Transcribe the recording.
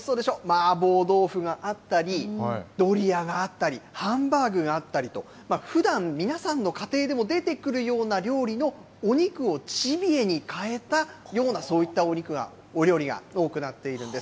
マーボー豆腐があったり、ドリアがあったりハンバーグがあったりと、ふだん皆さんの家庭でも出てくるような料理のお肉をジビエに変えたような、そういったお肉が、お料理が多くなっているんです。